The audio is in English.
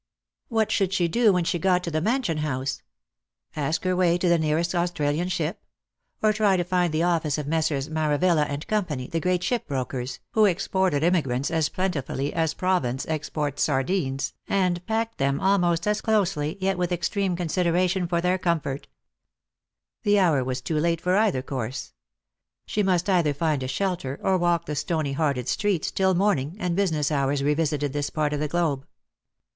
What should she do when she got to the Mansion House P Ask her way to the nearest Australian ship ? or try to find the office of Messrs. Maravilla and Co., the great shipbrokers, who exported emigrants as plentifully as Provence exports sardines, N 194 Lost for Love and packed them almost as closely, yet with extreme considera tion for their comfort P The hour was too late for either course. She must either find a shelter, or walk the stony hearted streets, till morning and business hours revisited this part of the globe.